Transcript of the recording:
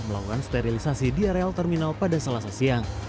melakukan sterilisasi di areal terminal pada selasa siang